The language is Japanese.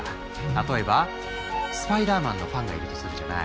例えば「スパイダーマン」のファンがいるとするじゃない。